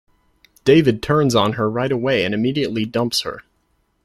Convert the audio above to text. David turns on her right away and immediately dumps her.